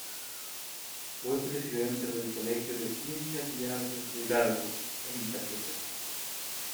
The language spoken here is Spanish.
Fue presidente del Colegio de Ciencias y Artes de Hidalgo, en Pachuca.